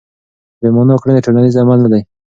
بې مانا کړنې ټولنیز عمل نه دی.